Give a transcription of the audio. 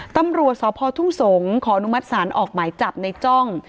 ตำรวจสพทุ่งสงศ์ขออนุมัติศาลออกหมายจับในจ้อง